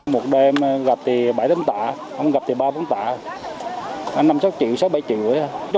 một đêm gặp thì bảy một mươi tả không gặp thì ba bốn tả năm sáu triệu sáu bảy triệu